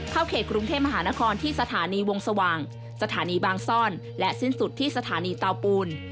เขตกรุงเทพมหานครที่สถานีวงสว่างสถานีบางซ่อนและสิ้นสุดที่สถานีเตาปูน